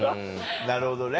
なるほどね。